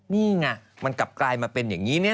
นี่ไงมันกลับกลายมาเป็นอย่างนี้เนี่ย